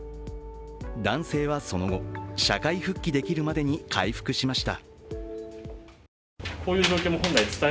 男性はその後、社会復帰できるまでに回復しました。